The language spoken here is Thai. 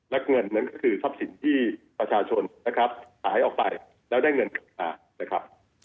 และเงินนั้นท่าคือทรัพย์สินที่ประชาชนหายออกไปแล้วเงินการถ่าย